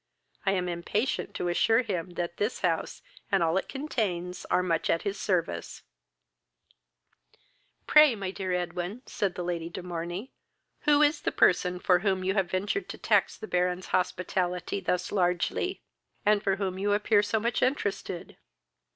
I am impatient to assure him that this house, and all that it contains, are much at his service." "Pray, my dear Edwin, (said Lady de Morney,) who is the person for whom you have ventured to tax the Baron's hospitality thus largely, and for whom you appear so much interested?"